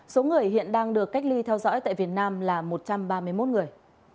số người hiện đang được cách ly theo dõi tại việt nam là một trăm ba mươi một người